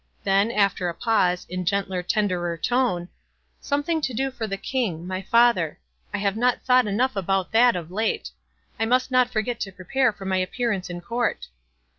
Then, after a pause, in gentler, tenderer tone, "Something to do for the King, my Father. I have not thought enough about that of late. I must not fonret to prepare for my appearance at court."